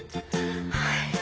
はい。